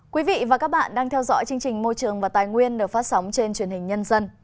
quý vị và các bạn đang theo dõi chương trình môi trường và tài nguyên được phát sóng trên truyền hình nhân dân